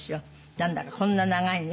何だかこんな長いね。